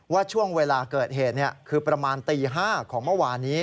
ว่าช่วงเวลาเกิดเหตุคือประมาณตี๕ของเมื่อวานนี้